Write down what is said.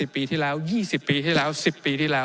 ปีที่แล้ว๒๐ปีที่แล้ว๑๐ปีที่แล้ว